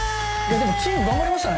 「でもキング頑張りましたね」